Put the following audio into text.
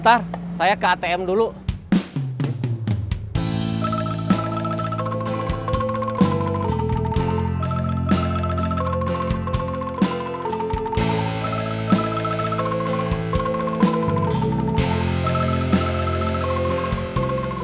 jadi dia selalu ngelakuin